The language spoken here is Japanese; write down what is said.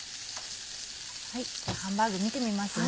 ハンバーグ見てみますね。